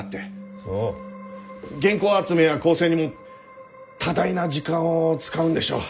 原稿集めや構成にも多大な時間を使うんでしょう。